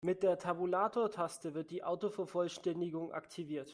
Mit der Tabulatortaste wird die Autovervollständigung aktiviert.